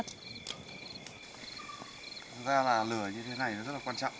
thực ra là lửa như thế này nó rất là quan trọng